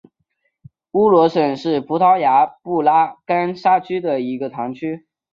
乌罗什是葡萄牙布拉干萨区的一个堂区。